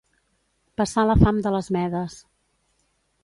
Passar la fam de les Medes.